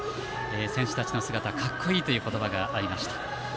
選手たちの姿、格好いいという言葉がありました。